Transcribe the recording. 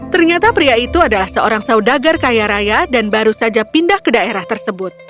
ternyata pria itu adalah seorang saudagar kaya raya dan baru saja pindah ke daerah tersebut